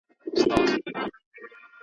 په لوی ښار کي یوه لویه وداني وه ,